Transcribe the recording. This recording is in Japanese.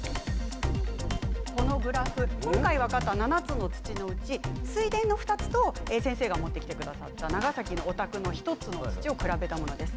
今回分かった７つの土のうち水田の２つと先生が持ってきてくださった長崎のお宅の１つの土を比べたものです。